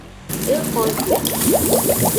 E xo zo.